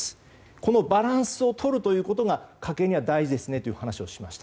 このバランスをとるということが家計は大事ですという話をしました。